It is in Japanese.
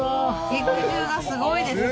肉汁がすごいですね。